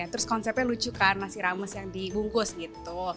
terus konsepnya lucu kan nasi rames yang dibungkus gitu